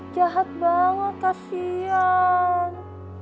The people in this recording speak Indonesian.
jahat banget kasian